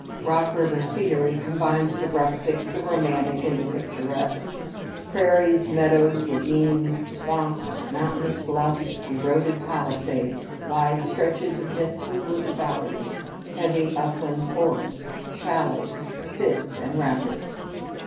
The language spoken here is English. Rock River scenery combines the rustic, the romantic, and the picturesque, prairies, meadows, ravines, swamps, mountainous bluffs, eroded palisades, wide stretches of densely wooded bottoms, heavy upland forests, shallows, spits, and rapids.